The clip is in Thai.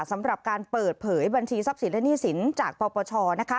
สำหรับการเปิดเผยบัญชีทรัพย์สินและหนี้สินจากปปชนะคะ